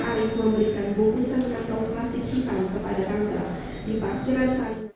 di pak cilai sayang